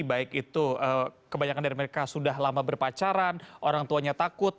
baik itu kebanyakan dari mereka sudah lama berpacaran orang tuanya takut